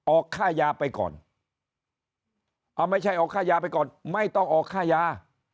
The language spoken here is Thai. ออกค่ายาไปก่อนเอาไม่ใช่ออกค่ายาไปก่อนไม่ต้องออกค่ายา